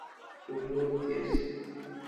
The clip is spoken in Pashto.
په زور تېر سي.